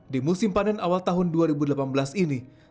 di musim panen awal tahun dua ribu delapan belas ini